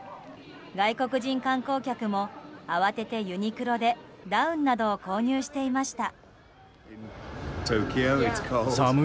外国人観光客も慌ててユニクロでダウンなどを購入していました。